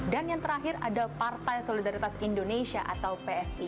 dan yang terakhir ada partai solidaritas indonesia atau psi